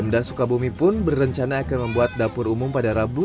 pemda sukabumi pun berencana akan membuat dapur umum pada rabu